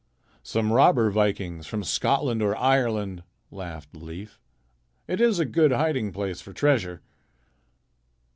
"Some robber vikings from Scotland or Ireland," laughed Leif. "It is a good hiding place for treasure."